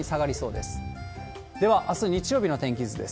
ではあす日曜日の天気図です。